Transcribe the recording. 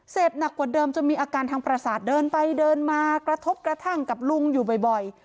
หนักกว่าเดิมจนมีอาการทางประสาทเดินไปเดินมากระทบกระทั่งกับลุงอยู่บ่อย